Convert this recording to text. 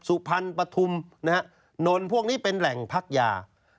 สุพรรณปฐุมนะฮะนนท์พวกนี้เป็นแหล่งพักยา